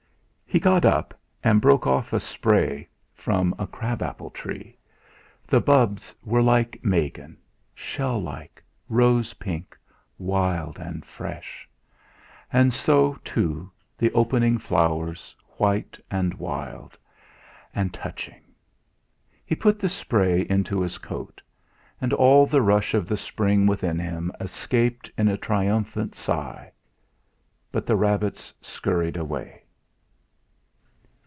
He got up and broke off a spray from a crab apple tree. The buds were like Megan shell like, rose pink, wild, and fresh; and so, too, the opening flowers, white, and wild; and touching. He put the spray into his coat. And all the rush of the spring within him escaped in a triumphant sigh. But the rabbits scurried away.